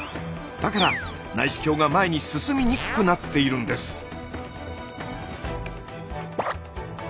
だから内視鏡が前に進みにくくなっているんです。